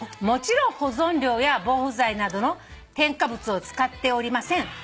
もちろん保存料や防腐剤などの添加物を使っておりません。